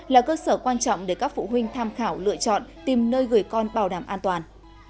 là cơ sở quan trọng để các phụ huynh tham khảo lựa chọn tìm nơi gửi con bảo đảm an toàn